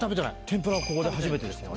天ぷらはここで初めてですね